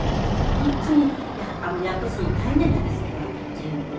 ほんとに訳すの大変じゃないですか中国語。